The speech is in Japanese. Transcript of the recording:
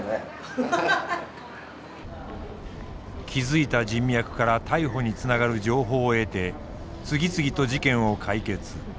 築いた人脈から逮捕につながる情報を得て次々と事件を解決。